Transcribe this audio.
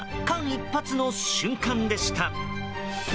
間一髪の瞬間でした。